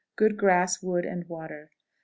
Good grass, wood, and water. 27.50.